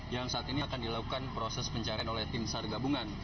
yang saat ini akan dilakukan proses pencarian oleh tim sargabungan